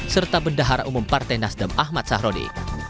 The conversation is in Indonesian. serta bendahara umum partai nasdem ahmad sahroni